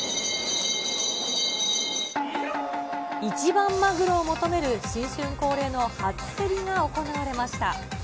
一番マグロを求める新春恒例の初競りが行われました。